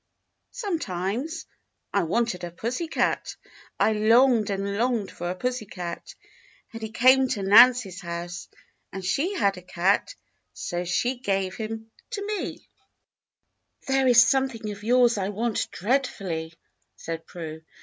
^" "Sometimes. I wanted a pussy cat, — I longed and longed for a pussy cat, — and he came to Nancy's house, and she had a cat, so she gave him to me." THE JOURNEY 71 "There is something of yours I want dreadfully," said Prue.